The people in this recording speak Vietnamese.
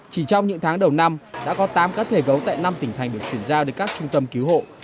chỉ trong những tháng đầu năm đã có tám cá thể gấu tại năm tỉnh thành được chuyển giao đến các trung tâm cứu hộ